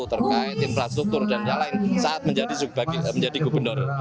terkait infrastruktur dan yang lain saat menjadi gubernur